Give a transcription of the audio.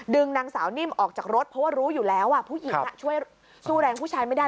นางสาวนิ่มออกจากรถเพราะว่ารู้อยู่แล้วว่าผู้หญิงช่วยสู้แรงผู้ชายไม่ได้